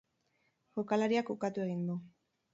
Jokalariak ukatu egin du.